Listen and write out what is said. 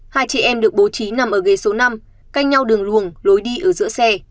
hai chị em được bố trí nằm ở ghế số năm canh nhau đường luồng lối đi ở giữa xe